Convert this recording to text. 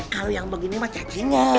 kalau yang begini mah cacingan